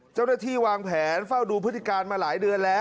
เจ้าหน้าที่วางแผนเฝ้าดูพฤติการมาหลายเดือนแล้ว